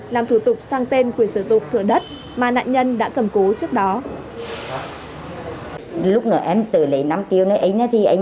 làm thủ tục sang tên quyền sử dụng